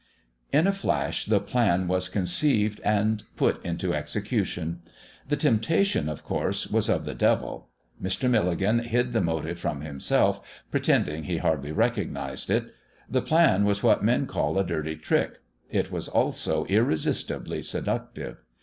In a flash the plan was conceived and put into execution. The temptation, of course, was of the devil. Mr. Milligan hid the motive from himself, pretending he hardly recognised it. The plan was what men call a dirty trick; it was also irresistibly seductive.